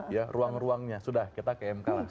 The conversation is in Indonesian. ya ruang ruangnya sudah kita ke mk lah